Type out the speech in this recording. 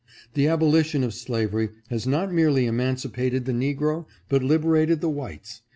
The abolition of slavery has not merely emancipated the negro, but liberated the whites.